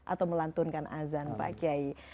atau melantunkan azan pak kiai